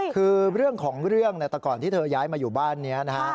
คือเรื่องของเรื่องแต่ก่อนที่เธอย้ายมาอยู่บ้านนี้นะฮะ